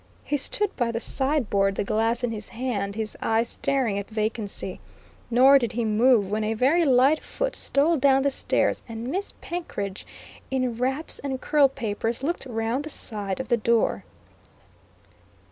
He stood by the sideboard, the glass in his hand, his eyes staring at vacancy. Nor did he move when a very light foot stole down the stairs, and Miss Penkridge, in wraps and curl papers, looked round the side of the door.